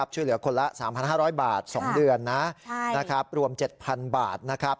ช่วยเหลือคนละ๓๕๐๐บาท๒เดือนนะรวม๗๐๐บาทนะครับ